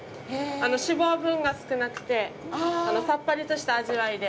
脂肪分が少なくてさっぱりとした味わいで。